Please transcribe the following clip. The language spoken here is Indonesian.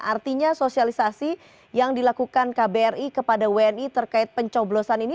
artinya sosialisasi yang dilakukan kbri kepada wni terkait pencoblosan ini